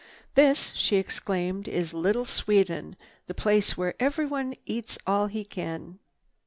"This," she exclaimed, "is Little Sweden, the place where everyone eats all he can."